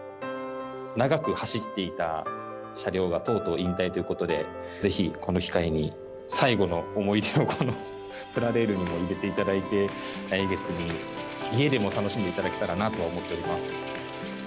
長く走っていた車両がとうとう引退ということで、ぜひこの機会に、最後の思い出を、このプラレールにも入れていただいて、来月に、家でも楽しんでいただけたらなと思っております。